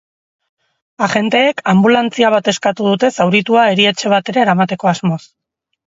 Agenteek anbulantzia bat eskatu dute zauritua erietxe batera eramateko asmoz.